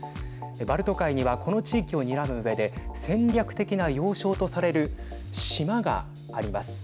バルト海にはこの地域をにらむうえで戦略的な要衝とされる島があります。